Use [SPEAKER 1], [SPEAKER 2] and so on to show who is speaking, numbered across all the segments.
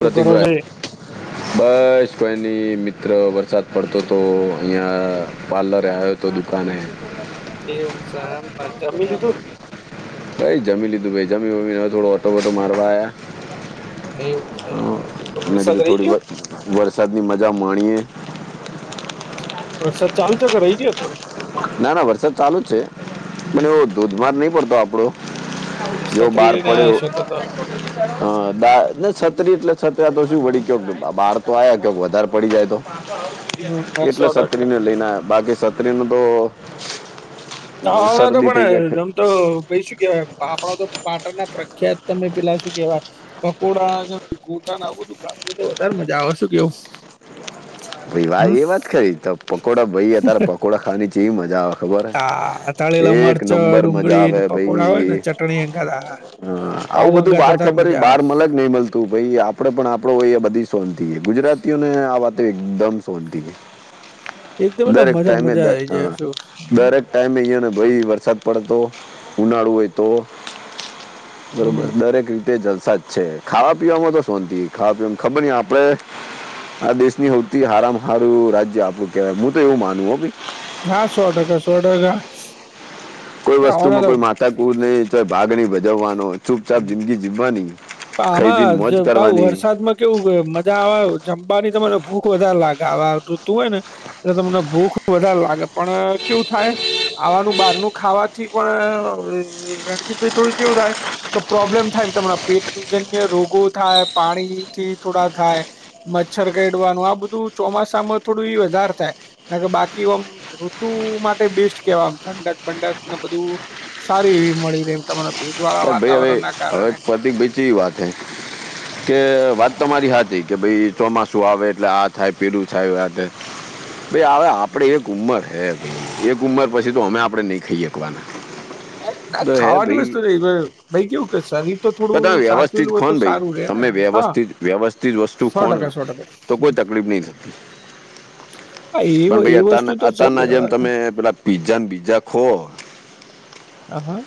[SPEAKER 1] શું
[SPEAKER 2] પ્રતિક
[SPEAKER 1] કરો છો
[SPEAKER 2] ભાઈ
[SPEAKER 1] [inaudible]
[SPEAKER 2] બસ કોઈની મિત્ર વરસાદ પડતો હતો. અહીંયા પાર્લરે આવ્યો હતો દુકાને.
[SPEAKER 1] એવું છે એમ ને જમી લીધું.
[SPEAKER 2] ભઈ જમી લીધું જમી વમી હવે થોડો આટો બાટો મારવા આ્યા.
[SPEAKER 1] એવું છે એમ પછી તો
[SPEAKER 2] મેં
[SPEAKER 1] વરસાદ
[SPEAKER 2] કીધું
[SPEAKER 1] આવી
[SPEAKER 2] થોડી
[SPEAKER 1] ગયો.
[SPEAKER 2] વર- વરસાદની મજા માણીએ.
[SPEAKER 1] વરસાદ ચાલુ છે કે રહી ગયો થોડો.
[SPEAKER 2] ના ના વરસાદ ચાલુ જ છે પણ એવો ધોધમાર નહીં પડતો આપડો. જો
[SPEAKER 1] છત્રી
[SPEAKER 2] બહાર
[SPEAKER 1] લઈને
[SPEAKER 2] પડ્યો.
[SPEAKER 1] આયા છો તો તો
[SPEAKER 2] હા બા ને છત્રી એટલે છત્રી તો શું વ કયો બહાર તો આયા કક વધારે પડી જાય તો
[SPEAKER 1] હમ સો
[SPEAKER 2] એટલે
[SPEAKER 1] ટકા
[SPEAKER 2] છત્રીને લઈને આયા બાકી છત્રી નું તો
[SPEAKER 1] જવા નો તો
[SPEAKER 2] શરદી થઈ જાય
[SPEAKER 1] પણ આમ તો પૈ શું કેવાય. આપડો તો પાટણ ના પ્રખ્યાત તમે પેલા શું કેવાય? પકોડા ને ઘોતા ને આવું બધું ખાધું તો વધારે મજા આવે શું કેવું.
[SPEAKER 2] ભાઈ
[SPEAKER 1] હમ
[SPEAKER 2] હા એ વાત ખરી તો પકોડા ભાઈ અત્યારે પકોડા ખાવાની છે એવી મજા આવે. ખબર
[SPEAKER 1] આ
[SPEAKER 2] હે
[SPEAKER 1] તળેલા
[SPEAKER 2] એક
[SPEAKER 1] મરચાં
[SPEAKER 2] નંબર મજા
[SPEAKER 1] ડુંગળીને
[SPEAKER 2] આવે
[SPEAKER 1] પકોડા હોય
[SPEAKER 2] ભઈ.
[SPEAKER 1] ને ચટણી હંગાત આહા
[SPEAKER 2] હા આવું
[SPEAKER 1] પાઉ
[SPEAKER 2] બધું
[SPEAKER 1] હંગાત
[SPEAKER 2] બાર
[SPEAKER 1] વધારે
[SPEAKER 2] ખબર
[SPEAKER 1] મજા
[SPEAKER 2] બહાર
[SPEAKER 1] આવે
[SPEAKER 2] મલે નય મળતું ભઈ આપડે પણ આપડો હોય એ બધી સોનંતી ગુજરાતીઓને આ વા દમ શોધતી
[SPEAKER 1] એકદમ એટલે
[SPEAKER 2] દરેક
[SPEAKER 1] મજા
[SPEAKER 2] ટાઈમે
[SPEAKER 1] મજા આઈ
[SPEAKER 2] અ
[SPEAKER 1] જાય શું હમ
[SPEAKER 2] દરેક ટાઈમ અહયા ને ભઈ વરસાદ પડે તો ઉનાળો હોય તો
[SPEAKER 1] હમ
[SPEAKER 2] બરોબર દરેક રીતે તે જલસા જ છે ખાવા પીવાવામાં તો શોંતિ ખાવા પીવાની ખબર ની આપડે આ દેશની હાવતી હારમાં હારું રાજ્ય આપડું કહેવાય મું તો એવું માન હો ભઈ -
[SPEAKER 1] હા સો ટકા સો ટકા
[SPEAKER 2] કોઈ વસ્તુ
[SPEAKER 1] આવવાના
[SPEAKER 2] માં
[SPEAKER 1] તો
[SPEAKER 2] કોઈ માતા ફૂટ નઈ કે ભાગની ભજવવાનો હોય ચૂપચાપ જિંદગી જીવવાની
[SPEAKER 1] પણ
[SPEAKER 2] ખઈપીને
[SPEAKER 1] આમાં જ
[SPEAKER 2] મોજ
[SPEAKER 1] પાહુ
[SPEAKER 2] કરવાની
[SPEAKER 1] વરસાદમાં કેવું મજા આવે જમવાની તમારે ભૂખ વધારે લાગે આવે ઋતુ હોય ને એટલે તમને ભૂખ વધારે લાગે પણ કેવું થાય આવાનું બહારનું ખાવાથી પણ રણજીત થોડું કેવું થાય પ્રોબ્લેમ થાય એમ તમારા પેટ જન્ય રોગો થાય પાણીથી થોડા ખાયે મચ્છર કડવાનું આ બધું ચોમાસામાં થોડું એ વધારે થાય. કે બાકી આમ ઋતુ માટે બેસ્ટ કેવા આમ ઠંડક બંડક ને બધું સારી એવી મળી રે એમ તમરા ભેજ વાળા વાત
[SPEAKER 2] એ હવે હવે પતિ બીચડી ચી વાત છે. કે વાત તમારી હાચી કે ભાઈ ચોમાસું આવે એટલે આ થાય પેલું થાય આ ભઈ આવે આપડે એક ઉંમર હે એક ઉમર પછી તો અમે આપડે નહી ખઇયે ખોવાના
[SPEAKER 1] એ ના ખાવાની વસ્તુ રે ભાઈ ભાઈ કેવું કે શરીર તો
[SPEAKER 2] પણ
[SPEAKER 1] થોડું
[SPEAKER 2] તમે વ્યવસ્થિત
[SPEAKER 1] સાચવેલું હોય તો સારું રે ને એમ હા.
[SPEAKER 2] તેજ વસ્તુ
[SPEAKER 1] સો
[SPEAKER 2] ખોં ને
[SPEAKER 1] ટકા સો ટકા
[SPEAKER 2] તો
[SPEAKER 1] હમ.
[SPEAKER 2] કોઈ તકલીફ નઈ થતી.
[SPEAKER 1] હા એ
[SPEAKER 2] પણ
[SPEAKER 1] એ વસ્તુ તો ચ [unintelligible]
[SPEAKER 2] પિઝ્ઝા ને બીઝ્ઝા ખો
[SPEAKER 1] હા હા.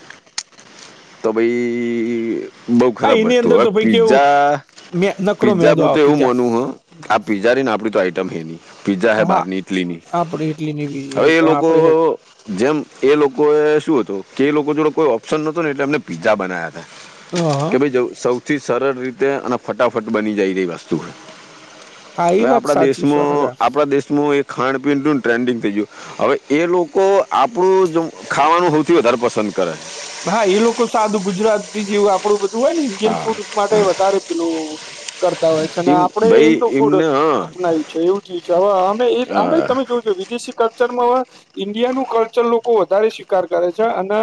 [SPEAKER 2] તો ભાઈ,,, બઉ
[SPEAKER 1] હા
[SPEAKER 2] ખરાબ
[SPEAKER 1] એની
[SPEAKER 2] વસ્તુ
[SPEAKER 1] અંદર
[SPEAKER 2] હવે
[SPEAKER 1] તો ભાઈ કેવું
[SPEAKER 2] પીઝ્ઝા
[SPEAKER 1] મે નકરો
[SPEAKER 2] પીઝ્ઝા
[SPEAKER 1] મેદો
[SPEAKER 2] મું તો
[SPEAKER 1] આવે
[SPEAKER 2] એવું
[SPEAKER 1] પીજા
[SPEAKER 2] માનું હો આ પીઝ્ઝા ને આપડી તો આઈટમ હે નહીં પીઝ્ઝા હે
[SPEAKER 1] હા
[SPEAKER 2] બાર ની ઇટલી ની
[SPEAKER 1] આપડે એટલી ની
[SPEAKER 2] હવે એ
[SPEAKER 1] બીજી
[SPEAKER 2] લોકો
[SPEAKER 1] આપડી હ
[SPEAKER 2] જેમ એ લોકો એ શું હતું કે એ લોકો જોડે કોઈ ઓપ્શન નોતો ને એટલે એમને પીઝા બનાવ્યા હતા.
[SPEAKER 1] હા.
[SPEAKER 2] કે
[SPEAKER 1] હા
[SPEAKER 2] ભાઈ સૌથી સરળ રીતે અને ફટાફટ બની જાય એવી વસ્તુ હોય.
[SPEAKER 1] એ
[SPEAKER 2] હવે
[SPEAKER 1] વાત
[SPEAKER 2] આપણા
[SPEAKER 1] સાચી સો ટકા
[SPEAKER 2] દેશમાં આપણા દેશમાં એ ખાન પીણ નું ટ્રેન્ડિંગ થઈ ગયું. હવે એ લોકો આપણું ખાવાનું સૌથી વધારે પસંદ કરે
[SPEAKER 1] હા એ લોકો સાદું ગુજરાતી જેવું આપડું બધું પેલું હોય ને ઇન્ડિયન ફૂડ
[SPEAKER 2] હા
[SPEAKER 1] માટે વધારે પેલું કરતા હોય છે અને
[SPEAKER 2] એમ
[SPEAKER 1] આપડે
[SPEAKER 2] ભાઈ
[SPEAKER 1] એમનું ફૂડ
[SPEAKER 2] એમને હા
[SPEAKER 1] અપનાવ્યુ છે એવું થયું છે હવે અમે આ
[SPEAKER 2] અ,
[SPEAKER 1] ભાઈ તમે જોજો વિદેશી કલ્ચર માં ઇન્ડિયાનું કલ્ચર લોકો વધારે શિકાર કરે છે અને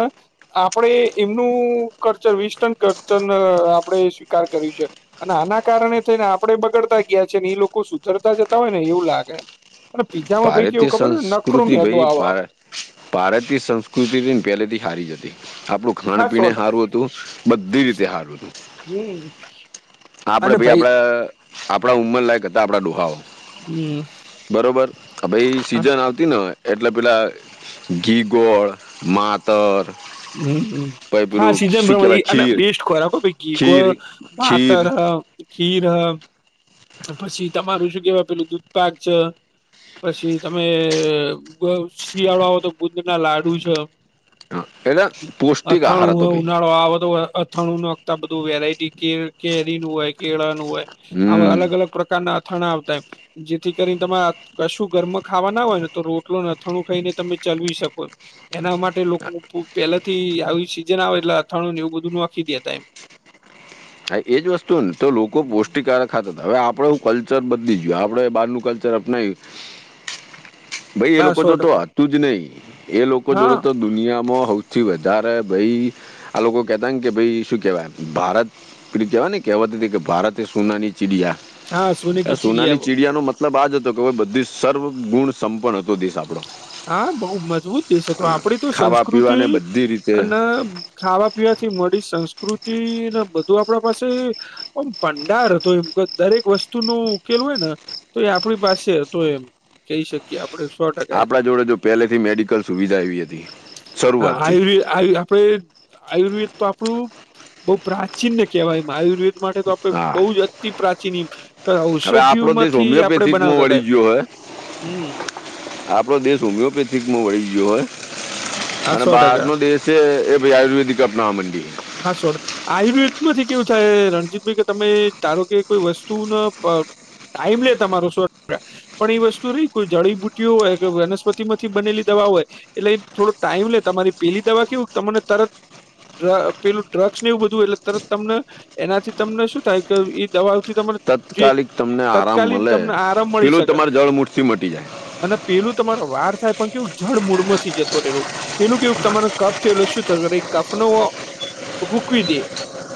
[SPEAKER 1] આપણેે એમનું કલ્ચર વીસ ટન કલ્ચર આપણેે સ્વીકાર કર્યું છે. અને આના કારણે થઈ ને આપણે બગડતા ગયા છે ને એ લોકો સુધરતા જતા હોય ને એવું લાગે અને પીઝામાં ભાઈ કેવું
[SPEAKER 2] ભારતીય
[SPEAKER 1] ખબર નકરો
[SPEAKER 2] સંસ્કૃતિ
[SPEAKER 1] મેંદો
[SPEAKER 2] ભાઈ
[SPEAKER 1] આવે એમ
[SPEAKER 2] ભાર ભારતીય સંસ્કૃતિ પહેલેથી હારી જ હતી. આપડું ખાણ
[SPEAKER 1] હા સો
[SPEAKER 2] પીને
[SPEAKER 1] ટકા
[SPEAKER 2] હારુ રું હતું બધી રીતે સારું હતું.
[SPEAKER 1] હમ્મ
[SPEAKER 2] આપડે ભાઈ આપડા આપણા ઉંમર લાયક હતા આપડા ડોહાઓ
[SPEAKER 1] હમ.
[SPEAKER 2] બરોબર ભાઈ સીઝન આવતી હતી ને એટલે પેલા ઘી ગોળ માતર
[SPEAKER 1] હમ્મ હમ્મ
[SPEAKER 2] પહી
[SPEAKER 1] હા
[SPEAKER 2] પેલું
[SPEAKER 1] સીઝન
[SPEAKER 2] શું
[SPEAKER 1] પ્રમાણે
[SPEAKER 2] કેવાય
[SPEAKER 1] અને
[SPEAKER 2] ખીર
[SPEAKER 1] બેસ્ટ ખોરાક ભઈ ઘી
[SPEAKER 2] ખીર
[SPEAKER 1] ગોળ
[SPEAKER 2] ખીર
[SPEAKER 1] માતર ખીરવ પછી તમારું શું કેવાય પેલું દૂધપાક છે. પછી તમે અ શિયાળાઓ તો ગુંદર ના લાડુ છે.
[SPEAKER 2] હા, એટલે પૌષ્ટિક આહાર
[SPEAKER 1] અથાણું
[SPEAKER 2] હતો ભાઈ
[SPEAKER 1] ઉનાળો આવે તો અથાણું નખતા બધું વેરાયટી કે કેરીનું હોય કેળાનું હોય આવા
[SPEAKER 2] હમ
[SPEAKER 1] અલગ અલગ પ્રકારના અથાણા આવતાય જેથી કરીને તમારા કશું ઘરમાં ખાવાના હોય ને તો રોટલો અથાણું ખાઈને તમે ચલવી શકો. એના માટે લોકો પહેલાથી આવી સીઝન આવે એટલે અથાણું ને એવું બધું નાખી દેતા એમ.
[SPEAKER 2] હા એ જ વસ્તુ ને તો લોકો પૌષ્ટિકારક ખાતા હતા હવે આપડે હું કલ્ચર બદલી જ્યું આપડે બહારનું કલ્ચર નહી ભાઈ એ
[SPEAKER 1] હા
[SPEAKER 2] લોકો
[SPEAKER 1] સો
[SPEAKER 2] જો તો
[SPEAKER 1] ટકા
[SPEAKER 2] આવતું જ નહી એ લોકો
[SPEAKER 1] હા
[SPEAKER 2] જોડે તો દુનિયામાં સૌથી વધારે ભાઈ આ લોકો કહેતા ને કે ભાઈ શું કેહેવાય ભારત ક કેવાય ને કેહવત કે ભારતે સોનાની
[SPEAKER 1] હા સોને
[SPEAKER 2] ચિડિયા
[SPEAKER 1] કી ચીડિયા
[SPEAKER 2] સોનાની
[SPEAKER 1] બોલ.
[SPEAKER 2] ચિડિયા ન મતલબ આ જ હતો કે ભવે બધી સર્વગુણ સંપન્ન હતો દેશ આપણો
[SPEAKER 1] હા બહુ મજબૂત દેશ હતો આપડી તો
[SPEAKER 2] ખાવા
[SPEAKER 1] સંસ્કૃતિ
[SPEAKER 2] પીવાને બધી રીતે
[SPEAKER 1] અને ખાવા પીવાથી મળી સંસ્કૃતિને બધું આપણા પાસે ઓમ ભડાર હતો એમ દરેક વસ્તુ નો ઉકેલ હોય ને તો એ આપણી પાસે તો એમ કહી શકીએ આપડ સો ટકા એ તો
[SPEAKER 2] આપણા જોડે જો પહેલેથી મેડિકલ સુવિધા એવી હતી
[SPEAKER 1] હા
[SPEAKER 2] શરૂઆતથી
[SPEAKER 1] એવી
[SPEAKER 2] જ
[SPEAKER 1] આપણેે આયુર્વેદ તો આપણું બહુ પ્રાચીનને કેહેવાય એમ આયુર્વેદ માટે તો આપડે
[SPEAKER 2] હા
[SPEAKER 1] બહુ જ અતિ પ્રાચીન
[SPEAKER 2] હવે
[SPEAKER 1] ઔષધિઓ
[SPEAKER 2] આપણો દેશ
[SPEAKER 1] માંથી આપડણે
[SPEAKER 2] હોમિયોપેથિકમાં
[SPEAKER 1] બનાવતા હતા એમ હમ્મ
[SPEAKER 2] આપડો દેશ હોમિયોપેથિકમાં વળી ગયો હોય
[SPEAKER 1] હા
[SPEAKER 2] અને
[SPEAKER 1] સો ટકા
[SPEAKER 2] બહારનો દેશ છે એ ભ આયુર્વેદિક અપનાવા મંડ્યો
[SPEAKER 1] હા શોટ આયુર્વેદ માંથી કેવું થાય રણજીતભાઈ કે તમે ધારો કે કોઈ વસ્તુને ટાઈમ લે તમારો સો પણ એ વસ્તુ રહી કોઈ જળીબુટીઓ હોય કે વનસ્પતિ માંથી બનેલી દવા હોય એટલે થોડો ટાઈમ લે તમારી પેલી દવા કેવું તમને તરત ડ પેલું ડ્રગ્સ ને એવું બધું એટલે તરત તમને એનાથી તમને શું થાય કે દવાથી તને જે
[SPEAKER 2] તત્કાલિક તમને આરામ
[SPEAKER 1] તત્કાલીન
[SPEAKER 2] મળે
[SPEAKER 1] તમને આરામ મળી
[SPEAKER 2] પેલું
[SPEAKER 1] શકે
[SPEAKER 2] તમારે જળ મુઠથી મટી જાય
[SPEAKER 1] અને પેલું તમારો વાર થાય પણ કેવું જડ મૂળમાંથી જત તો પેલું કેવું તમારુ કફ છે એટલે શું થ કફ નો રોકવી દે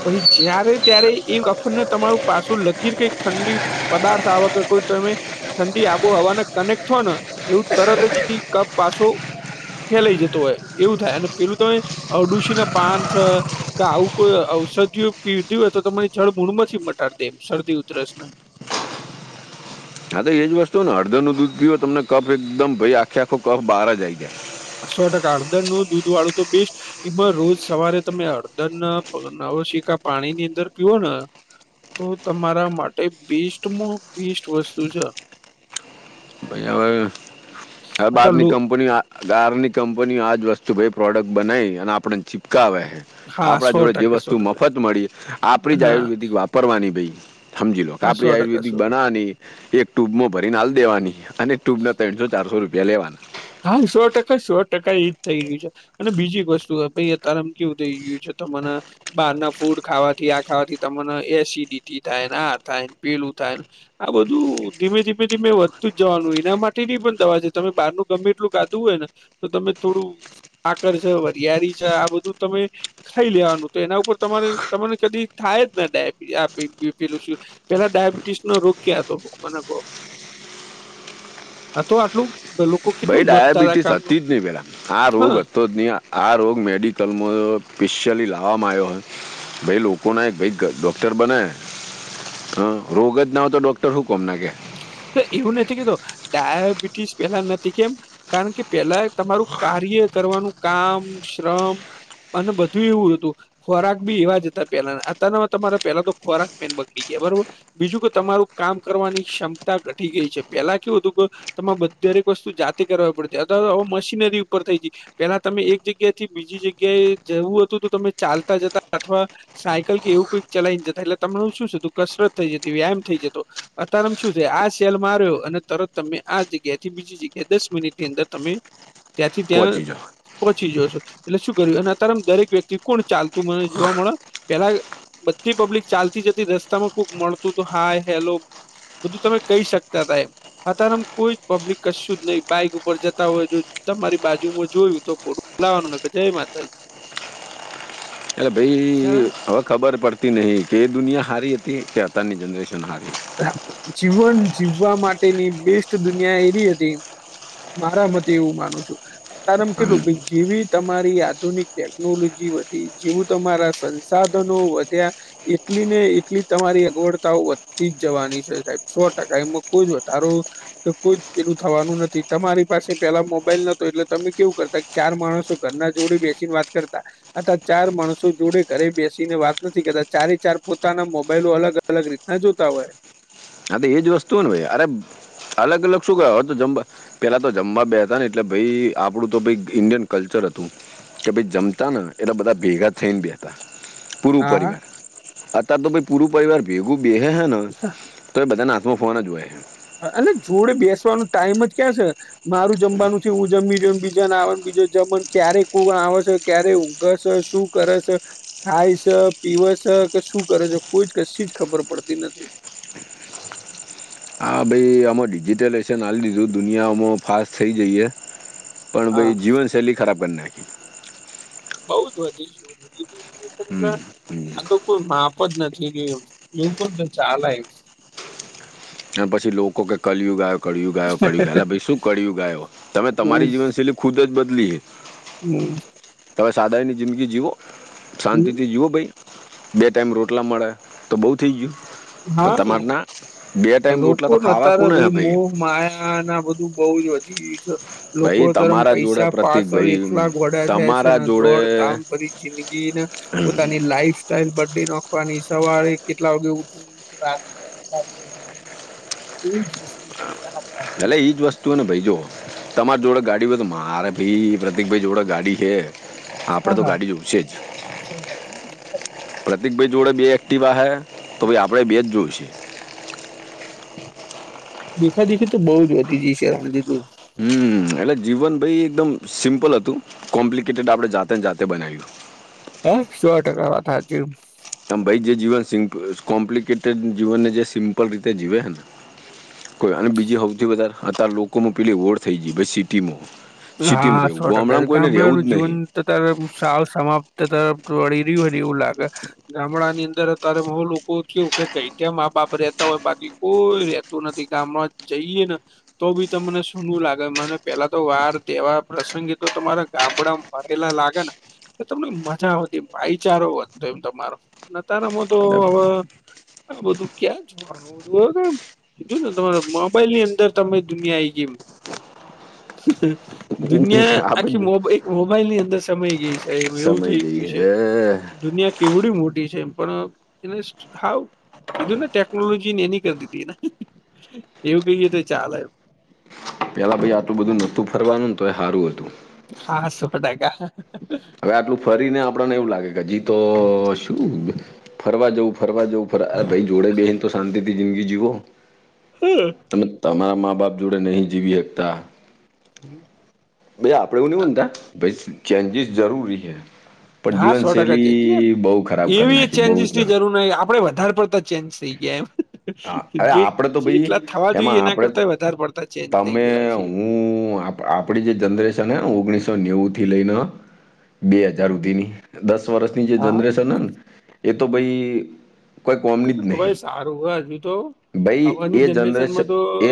[SPEAKER 1] પછી જય્યારે ત્યારે એ કફને તમારું પાછું લકીર કઈક ઠંડી પદાર્થ આ વખર કોઈ તમે ઠંડી આબોહવાને કનેક્ટ થો ને એવું તરત જ કફ પાસો ફેલાઈ જતું હોય એવું થાય અને પેલું તો અડુસી ના પાન છે ક આવું કોઈ ઔષધિઓ પીવતી હોય તો તમારી જળ મૂળ નથી મટાડ દે એમ શરદી ઉધરસ ને
[SPEAKER 2] હા તો એજ વસ્તુ ને હળદર નું દૂધ પીવ તમને કફ એકદમ આખે આખો કફ બહાર જઈ જાય
[SPEAKER 1] સો ટકા હળદર નું દૂધ વાળું તો બેસ્ટ એમાં રોજ સવારે તમે અળદર નવ સીકા પાણી ની અંદર પીઓ ને તો તમારા માટે બેસ્ટમાં બેસ્ટ વસ્તુ છે
[SPEAKER 2] અ હ બહારની
[SPEAKER 1] ચાલુ
[SPEAKER 2] કંપની બહારની કંપનીઓ આજ વસ્તુ ભાઈ પ્રોડક્ટ બનાવી અને આપણને ચીપકાવે છે
[SPEAKER 1] હા
[SPEAKER 2] આપણા
[SPEAKER 1] સો
[SPEAKER 2] જોડે જે
[SPEAKER 1] ટકે સો
[SPEAKER 2] વસ્તુ
[SPEAKER 1] ટકે
[SPEAKER 2] મફત મળી આપણી જ
[SPEAKER 1] હા
[SPEAKER 2] આયુર્વેદિક વાપરવાની ભાઈ સમજી લો કે
[SPEAKER 1] હા સો
[SPEAKER 2] આપણે
[SPEAKER 1] ટકા
[SPEAKER 2] આયુર્વેદિક
[SPEAKER 1] સો ટકા
[SPEAKER 2] બનાવાની એક ટુબ માં ભરીને હાલ દેવાની અને ટ્યુબ ના ત્રણસો ચારસો રૂપિયા લેવાના
[SPEAKER 1] હા સો ટકા સો ટકા એજ થઈ રહ્યું છે અને બીજી એક વસ્તુ ભાઈ અયા તારમ કેવું થઈ ગયું છે તમારા બહારના ફૂડ ખાવાથી આ ખાવાથી તને એસિડિટી થાયને આ થાયને પીલું થાયને આ બધું ધીમે ધીમે ધીમે વધતું જ જવાનું એના માટેની પણ દવા છે તમે બહારનું ગમે એટલું ગાધું હોય ને, તો તમે થોડું સાકર છે વરયળારી છે આ બધું તમે ખાઈ લેવાનું તો એના ઉપર તમારે તને કદી થાય જ ને ડબ પેલું. પેલા ડાયાબિટીસ નો રોગ ક્યાં હતો મનેહ. હા તો આટલું પેલું
[SPEAKER 2] ભાઈ ડયાબિટીસ અતિ જ નહી પેરા આ રોગ
[SPEAKER 1] હા.
[SPEAKER 2] તો તહીં આ રોગ મેડિકલમાં સ્પેશિયલી લાવવામાં આવ્યો હોય. ભાઈ લોકો ના એક ભાઈ ડોક્ટર બને. હ રોગ જ ના હો તો ડોક્ટર શું કોમ ના કે.
[SPEAKER 1] એવું નથી કીધું, ડાયાબિટીસ પેલા નથી કેમ? કારણ કે પેલા તમારું કાર્ય કરવાનું કામ, શ્રમ. અને બધું એવું હતું. ખોરાક બી એવા જ હતા પેલા અત્યારે તમારે પેલા તો ખોરાક બી બગડી ગયા, બરોબર. બીજું કે તમારું કામ કરવાની ક્ષમતા ઘટી ગઈ છે, પેલા કેવું હતું કે તમારે દરેક વસ્તુ જાતે કરવી પડતી અત્યારે તો હવે મશીનરી ઉપર થઈ ગઈ. પેલા તમે એક જગ્યા થી બીજી જગ્યાએ જવું હતું તો તમે ચાલતા જતા અથવા સાયકલ કે એવું કંઈક ચલાઈને જતા એટલે તેમા શું હતું કસરત થઈ જતી વ્યાયામ થઈ જતો, અત્યારે આમ શું આ સેલ્ફ માર્યો અને તરત તમે આ જગ્યાથી બીજી જગ્યા દસ મિનિટ ની અંદર તમે ત્યાંથી ત્યાં
[SPEAKER 2] પહોંચી જાઓ
[SPEAKER 1] પછી જોશો, એટલે શું કર્યું અને અત્યારે આમ દરેક વ્યક્તિ કોણ ચાલતું મને જોવા મળે, પેલા બધી પબ્લિક ચાલતી જતી રસ્તામાં કોક મળતું તો હાય હેલો. બધું તમે કહી શકતા હતા એમ. અારમ કોઈ પબ્લિક કશું જ નહી બાઈક ઉપર જતા હોય જો તમારી બાજુમાં જોયું તો પુરૂ વાનું જય માતાજી.
[SPEAKER 2] એલે ભાઈ હવે ખબર પડતી નહીં કે એ દુનિયા સારી હતી કે અતારની જનરેશન સારી.
[SPEAKER 1] જીવન જીવવા માટેની બેસ્ટ દુનિયા એવી હતી. મારા મતે એવું માનું છું. અતારે આમ કેવુ
[SPEAKER 2] હમ.
[SPEAKER 1] જેવી તમારી આધુનિક ટેકનોલોજી વધી જેવું તમારા સાધનો વધ્યા એટલી ને એટલી તમારી અગવડ તાઓ વધતી જ જવાની છે સાહેબ સો ટકા એમાં કોઈ જ વધારો તો કોઈ પેલું થવાનું નથી તમારી પાસે પેલા મોબાઈલ નોતો એટલે તમે કેવું કરતા કે ચાર માણસો ઘરના જોડે બેસીને વાત કરતા. આ ચાર માણસો જોડે ઘરે બેસીને વાત નથી કરતા ચારે ચાર પોતાના મોબાઈલો અલગ અલગ રીતના જોતા હોય.
[SPEAKER 2] હા તો એજ વસ્તુ હો ને ભાઈ અરે અલગ અલગ શું ક તો જ પેલા તો જમવા બે હતા ને એટલે ભાઈ આપડું તો ભઈ ઈન્ડિયન કલ્ચર હતું. કે ભાઈ જમતા ને એટલા બધા ભેગા થઈને બેસતા. પૂરૂ
[SPEAKER 1] હા હા
[SPEAKER 2] પરિવાર, અત્યારે તો ભાઈ પૂરૂ પરિવાર ભેગું બેહે હૈ.
[SPEAKER 1] હા.
[SPEAKER 2] તોય બધાના હાથમાં ફોન જ હોય.
[SPEAKER 1] અને જોડે બેસવાનું ટાઈમ જ ક્યાં છે. મારું જમવાનું છે હું જમી રહને બીજા આવે બીજા જમ ક્યારે કોઈ આવે છે ક્યારે ઊઘે છે શું કરે છે, ખાય છે પીવે છે કે શું કરે છે કોઈ જ કશી જ ખબર પડતી નથી.
[SPEAKER 2] હ ભાઈ અમાર ડિજિટલશેન આલી દીધુ દુનિયા અમો ફાસ્ટ થઈ જાઈએ. પણ
[SPEAKER 1] હા
[SPEAKER 2] ભાઈ જીવનશૈલી ખરાબ કરી નાખી.
[SPEAKER 1] બઉ જ વધી એટ [unintelligible]
[SPEAKER 2] હમ
[SPEAKER 1] આ તો કોઈ માપ જ નથી રહ્યુ એવું પણ ચાલેય.
[SPEAKER 2] અને પછી લોકો કે કળયુગ આયો કળયુગ આયો ક્ળયુગ આયો એટલે ભાઈ શું કિ્યું ગાયો, તમે
[SPEAKER 1] હમ
[SPEAKER 2] તમારી જીવનશૈલી ખુદ જ બદલીએ.
[SPEAKER 1] હમ.
[SPEAKER 2] તમે સાદાઈની જિંદગી જીવો, શાંતિથી
[SPEAKER 1] હમ
[SPEAKER 2] જીવો ભઈ, બે ટાઈમ રોટલા મલે. તો બહુ થઈ ગયું.
[SPEAKER 1] હા.
[SPEAKER 2] બેટ
[SPEAKER 1] લોકોને અત્યારે ભઈ મોહમાયા ને આ બધું બઉ જ વધી ગયું છે. લોકો
[SPEAKER 2] ભાઈ
[SPEAKER 1] તો આમ
[SPEAKER 2] તમારા જોડે
[SPEAKER 1] પૈસા
[SPEAKER 2] પ્રતિક
[SPEAKER 1] પાછળ
[SPEAKER 2] ભાઈ
[SPEAKER 1] એટલા ગાંડા થાય છે
[SPEAKER 2] તમારા
[SPEAKER 1] ને
[SPEAKER 2] જોડે
[SPEAKER 1] દોડ ધામ [unintelligible] જિંદગી ને પોતાની લાઈફ સ્ટાઈલ બદલી નાખવાની, સવારે કેટલા વાગે ઉઠવું, રાતના [inaudible] કોઈ જ વસ્તુ નથી આપ આપવામાં
[SPEAKER 2] એટલે ઈજ વસ્તુ ને ભઈ જો તમારે જોડે ગાડી હોય તો મારે ભી પ્રતિક ભાઈ જોડે ગાડી હે હા આપડે તો ગાડી જોવશે જ.
[SPEAKER 1] [inaudible]
[SPEAKER 2] પ્રતિકભાઈ જોડે બે એક્ટિવા હે, તો ભાઈ આપણે બે જ જોઈશે.
[SPEAKER 1] દેખા-દેખી તો બહુ જ વધી જઈ છે [unintelligible]
[SPEAKER 2] હમ્મ. એટલે જીવન ભઈ એકદમ સિમ્પલ હતું, કોમ્પ્લિકેટેડ આપણે જાતે ને જાતે બનાયું.
[SPEAKER 1] હા સો ટકા વાત હાચી.
[SPEAKER 2] તમ ભાઈ જે જીવન સિમ કોમ્પ્લિકેટેડ જીવનને જે સિમ્પલ રીતે જીવે હે ને કોઈ અને બીજી હૌથી વધારે અતાર લોકોનું પેલી વોર થઈ ગયું [unintelligible] સીટીમ
[SPEAKER 1] હા સો
[SPEAKER 2] રહેવું,
[SPEAKER 1] ટકા
[SPEAKER 2] ગોમડામાં કોઈને રહેવું
[SPEAKER 1] ગામડાનું
[SPEAKER 2] જ નહીં.
[SPEAKER 1] [unintelligible] સાવ સમાપ્ત કરી રહ્યું હોય ને એવું લાગે. ગામડાં ની અંદર અતારે ઓલું કેવું કે કંઈ-કંઈ મા-બાપ રહેતા હોય બાકી કોઈ રહેતું નથી. ગામમાં જઈએ ને તો બી તમને શું નું લાગે મને પેલા તો વાર તહેવાર પ્રસંગી તો તમારા ગામડામાં [unintelligible] લાગે ને તો તમને મજા આવતી, ભાઈચારો વધતો એમ તમારો, ને અતારમાં તો
[SPEAKER 2] અને
[SPEAKER 1] હવે આ બધું ક્યાં જોવા [unintelligible] કીધું ને તમારા મોબાઈલ ની અંદર તમે દુનિયા આઈ ગઈ એમ. દુનિયા આખી
[SPEAKER 2] આપણે
[SPEAKER 1] મોબ મોબાઈલ ની અંદર સમાય જાય છે. એવ એવું
[SPEAKER 2] સમય
[SPEAKER 1] થઈ ગયું
[SPEAKER 2] જઈએ
[SPEAKER 1] છે,
[SPEAKER 2] હે
[SPEAKER 1] દુનિયા કેવડી મોટી છે એમ પણ એને હાવ કીધું ને ટેકનોલોજી ને એની કર દીધી એને, એવું કહીએ તો ચાલે એમ.
[SPEAKER 2] પહેલા ભાઈ આટલું બધું નોતું ફરવાનું ને તોય હારું હતું.
[SPEAKER 1] હા સો ટકા.
[SPEAKER 2] હવે આટલું ફરીને આપણને એવું લાગે કે હજી તો શું ફરવા જવું, ફરવા જવું પણ આ ભાઈ જોડે બેહીન તો શાંતિથી જિંદગી જીવો.
[SPEAKER 1] હા.
[SPEAKER 2] તમે તમારા મા બાપ જોડે નહીં જીવી હકતા
[SPEAKER 1] હમ્મ.
[SPEAKER 2] ભઈ આપડે એવું નહીં બનતા, ભઈ ચેન્જીસ જરૂરી હૈ.
[SPEAKER 1] હા સો ટકા છે. એટલે
[SPEAKER 2] ખરાબ કરી
[SPEAKER 1] એવી
[SPEAKER 2] નાખી બહુ
[SPEAKER 1] ચેન્જીસ
[SPEAKER 2] એટલે
[SPEAKER 1] ની જરૂર નહીં, આપડે વધારે પડતા ચેન્જ થઈ ગયા એમ.
[SPEAKER 2] હા. અરે
[SPEAKER 1] જે
[SPEAKER 2] આપડે તો ભઈ,
[SPEAKER 1] જેટલા થવા જોઈએ
[SPEAKER 2] એમાં
[SPEAKER 1] એના
[SPEAKER 2] આપણેે તો
[SPEAKER 1] કરતા વધારે પડતા ચેન્જ થઈ
[SPEAKER 2] તમે,
[SPEAKER 1] ગયેલા છીએ.
[SPEAKER 2] હું, આપ આપણી જે જનરેશન હે ઓગણીસો નેવું થી લઈને હં બે હજાર હુધીની, દસ વર્ષની જે
[SPEAKER 1] હા
[SPEAKER 2] જનરેશન હે ને એ તો ભઈ કોઈ
[SPEAKER 1] એ
[SPEAKER 2] કોમની જ
[SPEAKER 1] તો-તો
[SPEAKER 2] નહીં
[SPEAKER 1] ભાઈ સારું હે હજુ તો,
[SPEAKER 2] ભઈ
[SPEAKER 1] આવવાની
[SPEAKER 2] એ જનરેશન
[SPEAKER 1] જનરેશનમાં તો
[SPEAKER 2] એ